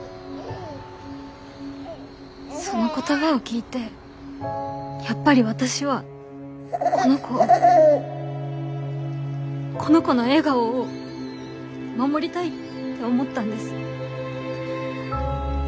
その言葉を聞いてやっぱり私はこの子をこの子の笑顔を守りたいって思ったんです。